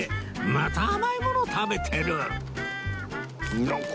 また甘いもの食べてる